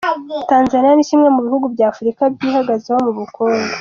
Tanzaniya ni kimwe mu bihugu bya Afurika byihagazeho mu bukungu.